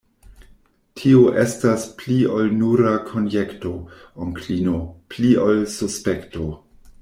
Tio estas pli ol nura konjekto, onklino; pli ol suspekto.